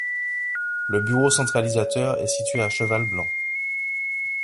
Le bureau centralisateur est situé à Cheval-Blanc.